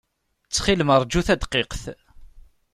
Ttxil-m, ṛju tadqiqt.